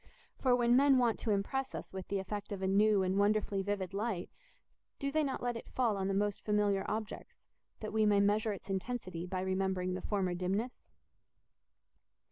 For when men want to impress us with the effect of a new and wonderfully vivid light, do they not let it fall on the most familiar objects, that we may measure its intensity by remembering the former dimness?